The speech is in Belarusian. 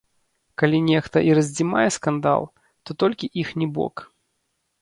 Калі нехта і раздзімае скандал, то толькі іхні бок.